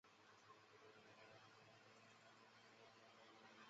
雅雷地区圣克鲁瓦人口变化图示